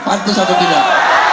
pantas atau tidak